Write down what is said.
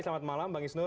selamat malam bang isnur